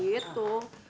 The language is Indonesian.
kayaknya sih gitu